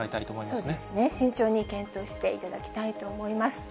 そうですね、慎重に検討していただきたいと思います。